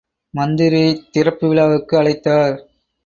மந்திரியைத் திறப்புவிழாவுக்கு அழைத்தார்.